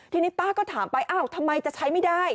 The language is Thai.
ทีนี้ป้าก็ถามไปอ้าวทำไมจะใช้ไม่ได้